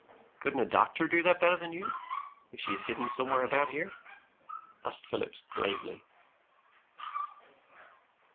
"Couldn't a doctor do that better than you, if she is hidden somewhere about here?" asked Phillips gravely.